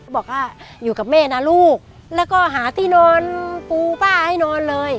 บอกว่าอยู่กับแม่นะลูกแล้วก็หาที่นอนปูป้าให้นอนเลย